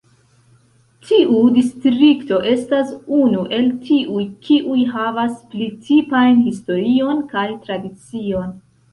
Tiu distrikto estas unu el tiuj kiuj havas pli tipajn historion kaj tradicion.